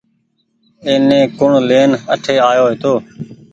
ايني ڪوڻ لين اٺي آيو هيتو۔